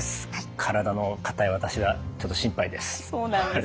体の硬い私はちょっと心配です。